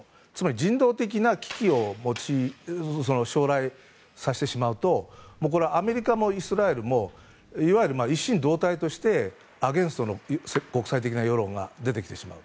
人道的な危機を将来、させてしまうとアメリカもイスラエルもいわゆる一心同体としてアゲインストの国際的な世論が出てきてしまう。